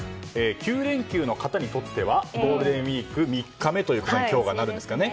９連休の方にとってはゴールデンウィーク３日目と今日が、なるんですかね。